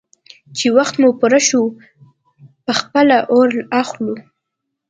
_چې وخت مو پوره شو، په خپله اور اخلو.